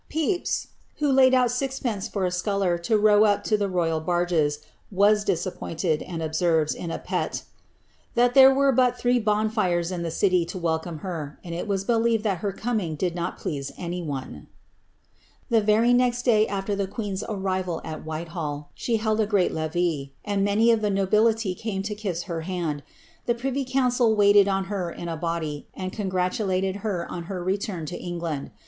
Pepys, who laid out sixpence fi)r a sculler to row up to the royal barges, was disap pointed, and observes, in a pet, that there were but three bonfires in Tho Laiin is thus writteo in the MS. HBHRIBTTA MARIA. 169 the city to welcome her, and it was believed that her coming did not please any one.'' The very next day afler the queen's arriyal at White hall^ she held a great levee, and many of the nobility came to kiss her hand ; the privy council waited on her in a body, and congratulated her OQ her return to England.